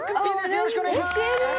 よろしくお願いします